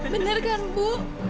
benar kan bu